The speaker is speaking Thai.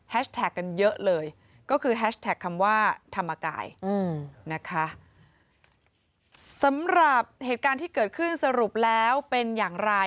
แฮชแท็กกันเยอะเลย